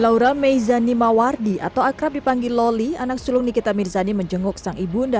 laura meizani mawardi atau akrab dipanggil loli anak sulung nikita mirzani menjenguk sang ibunda